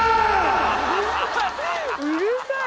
うるさい。